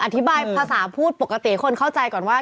อธิบายภาษาพูดปกติให้คนเข้าใจก่อนว่า